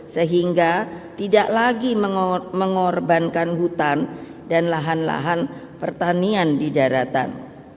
sehingga tidak lagi mengorbankan hutan dan lahan lahan pertanian di daratan